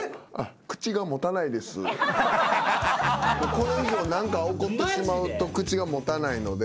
これ以上何か起こってしまうと口が持たないので。